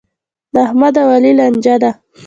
د احمد او علي لانجه ده.